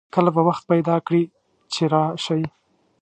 کله به وخت پیدا کړي چې راشئ